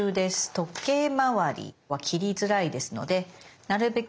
時計回りは切りづらいですのでなるべく